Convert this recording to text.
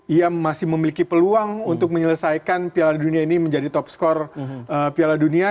ia masih memiliki peluang untuk menyelesaikan piala dunia ini menjadi top skor piala dunia